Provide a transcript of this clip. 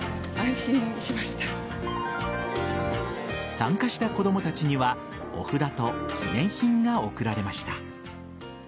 参加した子供たちにはお札と記念品が贈られました。